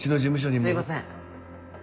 すみません！